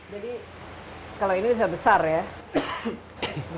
jadi kalau ini besar besar ya